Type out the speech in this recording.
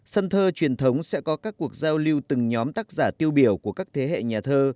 sân thơ truyền thống sẽ có các cuộc giao lưu từng nhóm tác giả tiêu biểu của các thế hệ nhà thơ